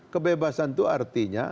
kebebasan itu artinya